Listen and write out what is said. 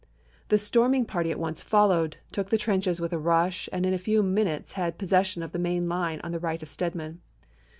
The storming party at once followed, took the trenches with a rush, and in a few minutes had possession of the main line on the right of Stedman.